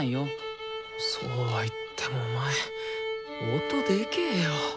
そうは言ってもお前音でけよ。